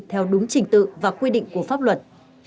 theo đúng trình tự và quy định của pháp luật